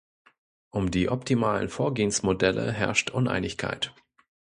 Um die optimalen Vorgehensmodelle herrscht Uneinigkeit.